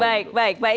baik baik baik